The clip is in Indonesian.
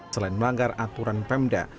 selain melanggar aturan pemda